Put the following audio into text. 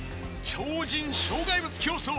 超人障害物競走